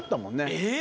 えっ！